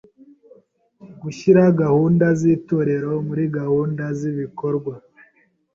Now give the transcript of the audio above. Gushyira gahunda z’Itorero muri gahunda z’ibikorwa